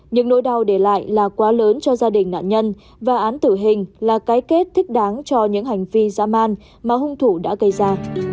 những nỗi đau để lại là quá lớn cho gia đình nạn nhân và án tử hình là cái kết thích đáng cho những hành vi giá man mà hung thủ đã gây ra